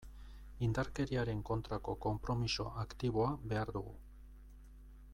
Indarkeriaren kontrako konpromiso aktiboa behar dugu.